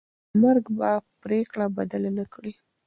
مرګ به پرېکړه بدله نه کړي.